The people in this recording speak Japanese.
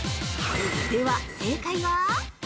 ◆では、正解は！？